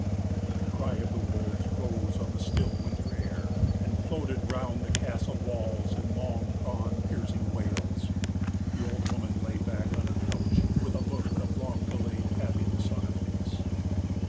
The cry of the wolves rose on the still winter air and floated round the castle walls in long drawn piercing wails; the old woman lay back on her couch with a look of long delayed happiness on her face.